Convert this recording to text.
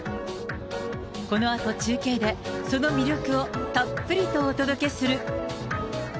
このあと中継で、その魅力をたっぷりとお届けする。